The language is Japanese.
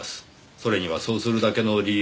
それにはそうするだけの理由